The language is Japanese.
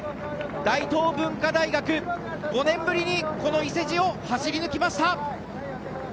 大東文化大学、５年ぶりにこの伊勢路を走り抜きました！